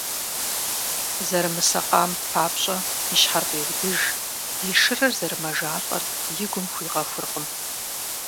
Зэрымысакъам папщӀэ и щхьэр фӀеудыж, и шырыр зэрымэжалӀэр и гум хуигъэхуркъым.